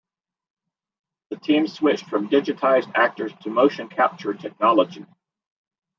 The team switched from digitized actors to motion capture technology.